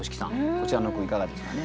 こちらの句いかがですかね。